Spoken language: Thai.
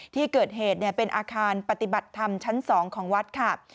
ที่เกิดเหตุเป็นอาคารปฏิบัติธรรมชั้น๒ของวัดค่ะ